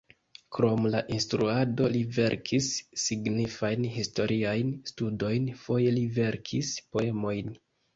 Krom la instruado li verkis signifajn historiajn studojn, foje li verkis poemojn.